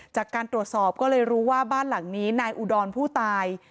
จากการตรวจสอบก็เลยรู้ว่าบ้านหลังนี้นายอุดรผู้ตาย